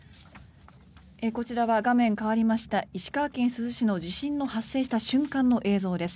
こちらは画面変わりました石川県珠洲市の地震が発生した瞬間の様子です。